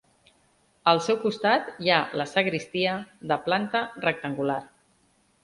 Al seu costat hi ha la sagristia, de planta rectangular.